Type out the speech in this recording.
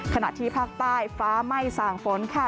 ขณะที่ภาคใต้ฟ้าไม่สั่งฝนค่ะ